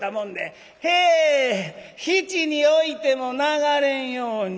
「へえ質に置いても流れんように」。